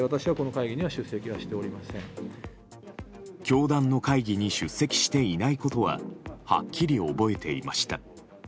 教団の会議に出席していないことははっきり覚えていました。